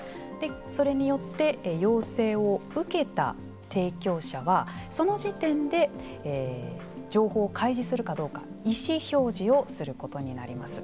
それによって要請を受けた提供者はその時点で情報を開示するかどうか意思表示をすることになります。